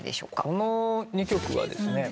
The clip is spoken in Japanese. この２曲はですね。